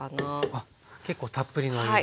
あっ結構たっぷりのお湯で。